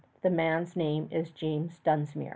The man's name is James Dunsmuir.